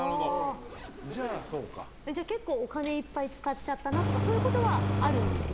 じゃあ結構、お金いっぱい使っちゃったなとかそういうことはあるんですね。